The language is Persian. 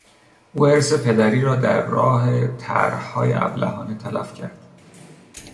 او ارث پدری را در راه طرحهای ابلهانه تلف کرد.